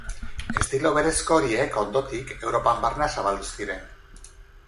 Estilo berezko horiek, ondotik, Europan barna zabaldu ziren.